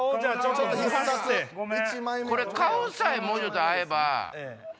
これ顔さえもうちょっと合えば。